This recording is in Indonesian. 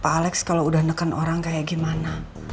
pak alex kalau udah nekan orang kayak gimana